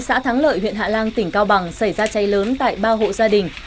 xã thắng lợi huyện hạ lan tỉnh cao bằng xảy ra cháy lớn tại ba hộ gia đình